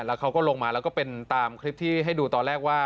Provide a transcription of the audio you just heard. แล้วเขาก็ลงมาแล้วก็เป็นตามคลิปที่ให้ดูตอนแรกว่า